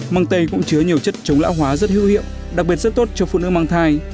mang tây cũng chứa nhiều chất chống lão hóa rất hữu hiệu đặc biệt rất tốt cho phụ nữ mang thai